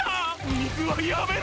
水はやめろ！